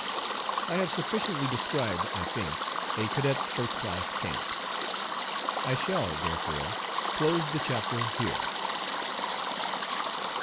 I have sufficiently described, I think, a cadet's first class camp. I shall, therefore, close the chapter here.